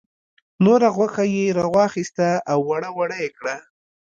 نوره غوښه یې را واخیسته او وړه وړه یې کړه.